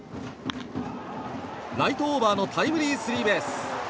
ライトオーバーのタイムリースリーベース。